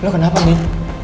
lo kenapa din